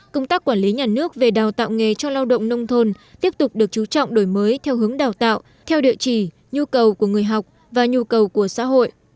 công tác quản lý nhà nước về đào tạo nghề cho lao động nông thôn tiếp tục được chú trọng đổi mới theo hướng đào tạo theo địa chỉ nhu cầu của người học và nhu cầu của xã hội